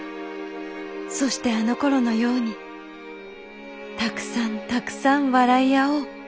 そしてあのころのようにたくさんたくさん笑い合おう」。